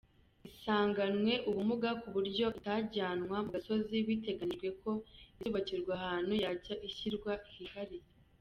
Isanganwe ubumuga ku buryo itajyanwa mu gasozi biteganyijwe ko izubakirwa ahantu yajya ishyirwa hihariye.